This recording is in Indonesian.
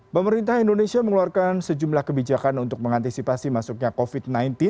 pemerintah indonesia mengeluarkan sejumlah kebijakan untuk mengantisipasi masuknya covid sembilan belas